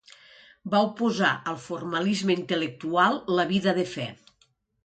Va oposar al formalisme intel·lectual la vida de fe.